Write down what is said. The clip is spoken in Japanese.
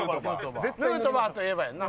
ヌートバーといえばやんな。